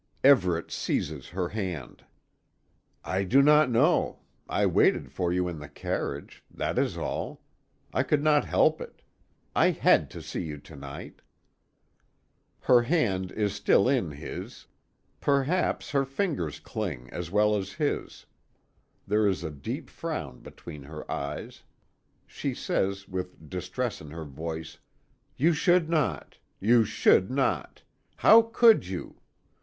Everet seizes her hand. "I do not know. I waited for you in the carriage. That is all. I could not help it. I had to see you again to night." Her hand is still in his. Perhaps her fingers cling as well as his. There is a deep frown between her eyes. She says with distress in her voice: "You should not. You should not. How could you?